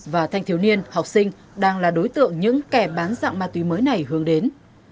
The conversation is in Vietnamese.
và thanh thiếu niên học sinh đang là đối tượng những kẻ bán dạng ma túy mới này hướng đến